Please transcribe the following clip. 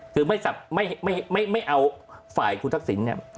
คือไม่เอาฝ่ายคุณทักษิณเนี่ย